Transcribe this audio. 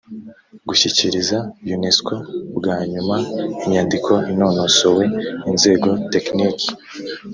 gushyikiriza unesco bwa nyuma inyandiko inonosowe inzego tekiniki